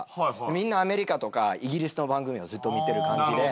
みんなアメリカとかイギリスの番組をずっと見てる感じで。